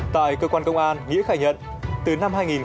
tại cơ quan công an nghĩa khả nhận